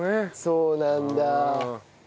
そうなんだ。